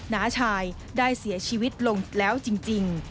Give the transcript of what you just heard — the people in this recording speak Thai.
น้าชายได้เสียชีวิตลงแล้วจริง